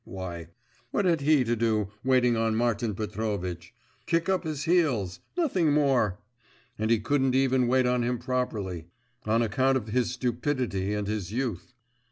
Why, what had he to do waiting on Martin Petrovitch? Kick up his heels; nothing more. And he couldn't even wait on him properly; on account of his stupidity and his youth.